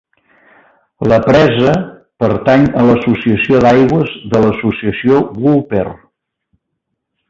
La presa pertany a l'associació d'aigües de l'Associació Wupper.